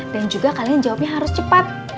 dan juga kalian jawabnya harus cepat